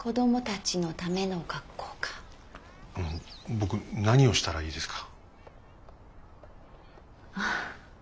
僕何をしたらいいですか？